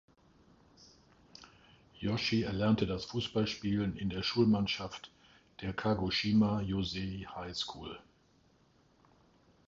Yoshii erlernte das Fußballspielen in der Schulmannschaft der "Kagoshima Josei High School".